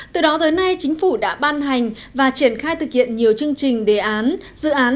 từ đó tới nay chính phủ đã ban hành và triển khai thực hiện nhiều chương trình đề án dự án